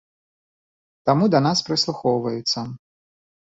Таму да нас прыслухоўваюцца.